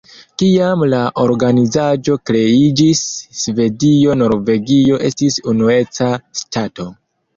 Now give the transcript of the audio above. Kiam la organizaĵo kreiĝis, Svedio-Norvegio estis unueca ŝtato.